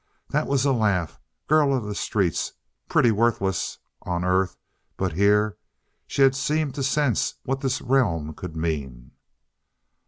That was a laugh girl of the streets, pretty worthless, on Earth. But here she had seemed to sense what this realm could mean.